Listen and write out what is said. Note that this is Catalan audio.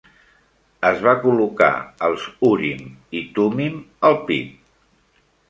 Es va col·locar els urim i tummim al pit.